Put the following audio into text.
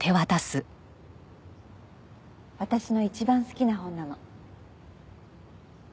私の一番好きな本なの。